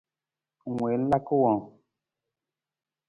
Ng wii ng laka wang ?